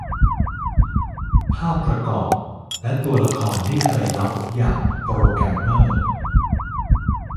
ภาพประกอบ และตัวละครที่เคยลับอย่างโปรแกรมเมอร์